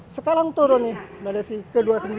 sekarang turun nih ke dua puluh sembilan